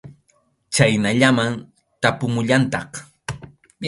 Chhaynallaman tapumullantaq.